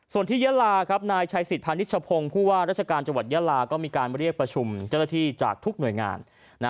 ส่วนที่ยาลาครับนายชัยสิทธิพาณิชพงศ์ผู้ว่าราชการจังหวัดยาลาก็มีการเรียกประชุมเจ้าหน้าที่จากทุกหน่วยงาน